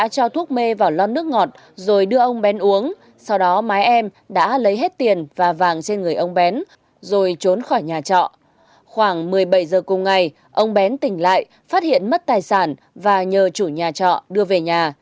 khoảng một mươi bảy giờ cùng ngày ông bén tỉnh lại phát hiện mất tài sản và nhờ chủ nhà trọ đưa về nhà